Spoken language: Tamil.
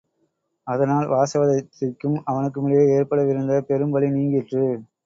அதனால் வாசவதத்தைக்கும் அவனுக்குமிடையே ஏற்பட விருந்த பெரும் பழி நீங்கிற்று.